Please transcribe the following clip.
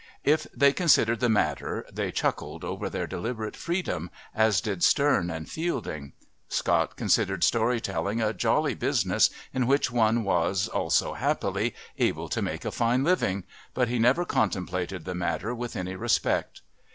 If they considered the matter they chuckled over their deliberate freedom, as did Sterne and Fielding. Scott considered story telling a jolly business in which one was, also, happily able to make a fine living, but he never contemplated the matter with any respect.